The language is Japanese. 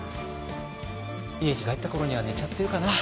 家に帰った頃には寝ちゃってるかな。